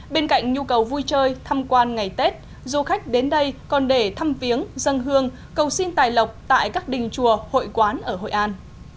bên cạnh nhu cầu vui chơi thăm quan ngày tết du khách đến đây còn để thăm viếng dân hương cầu xin tài lộc tại các đình chùa hội quán ở hội an